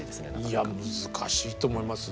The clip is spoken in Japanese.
いや難しいと思います。